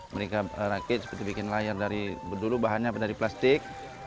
mereka rakit seperti bikin layar dari dulu bahannya dari plastik